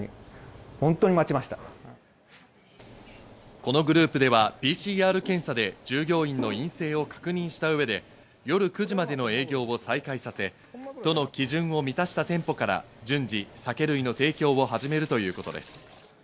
このグループではＰＣＲ検査で従業員の陰性を確認した上で、夜９時までの営業を再開させ、都の基準を満たした店舗から順次酒類の提供を始めるということです。